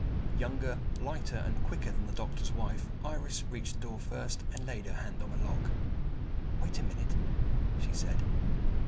Younger, lighter, and quicker than the doctor's wife, Iris reached the door first, and laid her hand on the lock. "Wait a minute," she said.